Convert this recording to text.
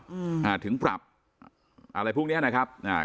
อืมอ่าถึงปรับอะไรพวกเนี้ยนะครับอ่า